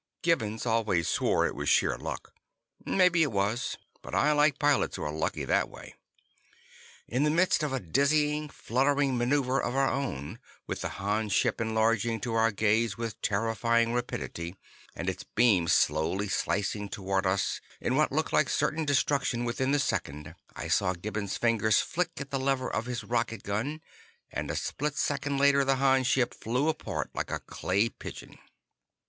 Gibbons always swore it was sheer luck. Maybe it was, but I like pilots who are lucky that way. In the midst of a dizzy, fluttering maneuver of our own, with the Han ship enlarging to our gaze with terrifying rapidity, and its beam slowly slicing toward us in what looked like certain destruction within the second, I saw Gibbons' fingers flick at the lever of his rocket gun and a split second later the Han ship flew apart like a clay pigeon.